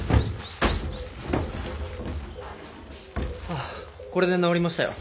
ああこれで直りましたよ。